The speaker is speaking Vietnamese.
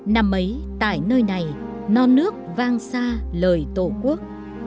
năm ấy tại nơi này non nước vang xa lời tổ quốc